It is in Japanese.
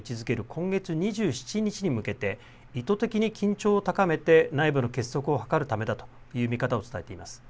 今月２７日に向けて意図的に緊張を高めて内部の結束を図るためだという見方を伝えています。